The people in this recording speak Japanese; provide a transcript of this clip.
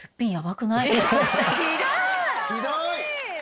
ひどい！